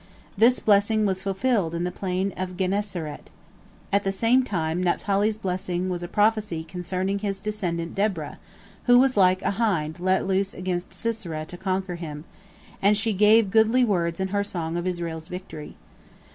This blessing was fulfilled in the plain of Gennesaret. At the same time Naphtali's blessing was a prophecy concerning his descendant Deborah, who was like a hind let loose against Sisera to conquer him, and she gave goodly words in her song of Israel's victory.